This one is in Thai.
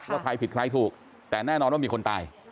ว่าใครผิดใครถูกแต่แน่นอนว่ามีคนตาย